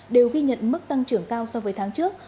đều ghi nhận mức tăng trưởng cao so với tháng trước